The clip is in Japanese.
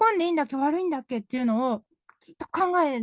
悪いんだっけ？っていうのをずっと考える。